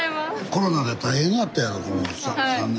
コロナで大変やったやろこの３年。